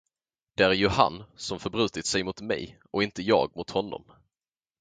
Det är ju han, som förbrutit sig mot mig, och inte jag mot honom.